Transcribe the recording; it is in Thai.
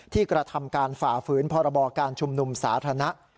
กระทำการฝ่าฝืนพรบการชุมนุมสาธารณะ